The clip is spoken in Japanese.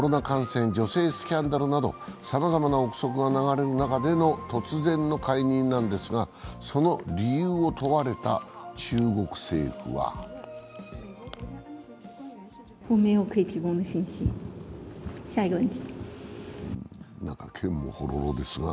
コロナ感染、女性スキャンダルなどさまざまな憶測が流れる中での突然の解任なんですが、その理由を問われた中国政府はなんかけんもほろろですが。